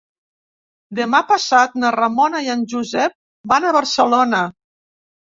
Demà passat na Ramona i en Josep van a Barcelona.